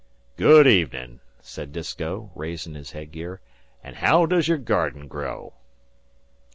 "Good evenin'," said Disko, raising his head gear, "an' haow does your garden grow?"